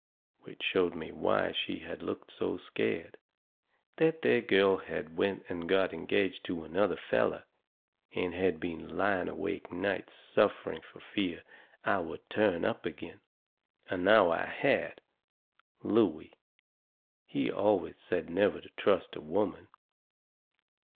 Which showed me why she had looked so scared. That there girl had went and got engaged to another feller. And had been laying awake nights suffering fur fear I would turn up agin. And now I had. Looey, he always said never to trust a woman!